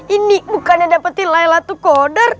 ini bukannya dapetin laylatul qadar